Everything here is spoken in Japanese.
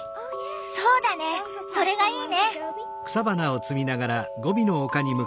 そうだねそれがいいね！